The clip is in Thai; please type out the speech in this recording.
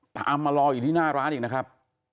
ตามมารออยู่ที่หน้าร้านอีกนะครับ